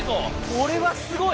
これはすごい！